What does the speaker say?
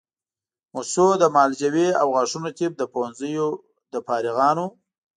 موسسو د معالجوي او غاښونو طب د پوهنځیو له فارغانو